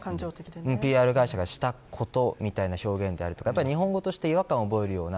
ＰＲ会社がしたことみたいな表現だとか日本語として違和感を覚えるような。